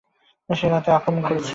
সে রাতে আক্রমণ করেছে।